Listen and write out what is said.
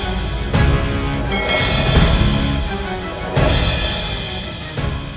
yang tepat mengenai dada aku